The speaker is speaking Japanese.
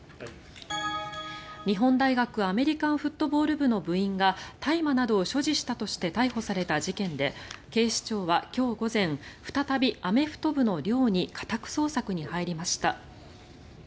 日本大学アメリカンフットボール部の部員が大麻などを所持したとして逮捕された事件で警視庁は今日午前再びアメフト部の寮に家宅捜索に入りました。